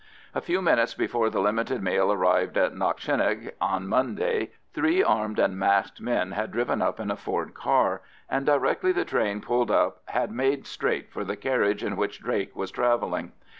A few minutes before the limited mail arrived at Knockshinnagh on Monday, three armed and masked men had driven up in a Ford car, and directly the train pulled up had made straight for the carriage in which Drake was travelling.